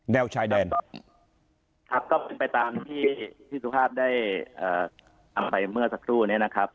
ชายแดนครับก็เป็นไปตามที่พี่สุภาพได้ทำไปเมื่อสักครู่นี้นะครับ